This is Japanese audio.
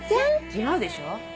違うでしょ？